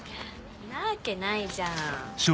なわけないじゃん。